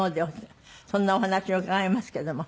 そんなお話を伺いますけども。